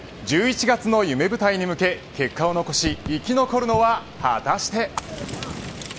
１１月の夢舞台に向け結果を残し生き残るのは果たして。